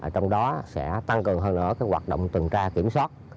trong đó sẽ tăng cường hơn nữa hoạt động tuần tra kiểm soát